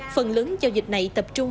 phần lớn giao dịch này tập trung